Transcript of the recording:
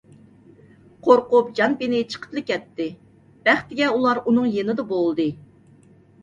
قورقۇپ جان - پېنى چىقىپلا كەتتى، بەختىگە ئۇلار ئۇنىڭ يېنىدا بولدى.